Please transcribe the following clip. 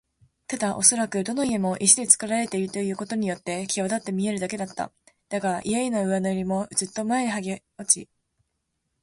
ただおそらくどの家も石でつくられているということによってきわだって見えるだけだった。だが、家々の上塗りもずっと前にはげ落ち、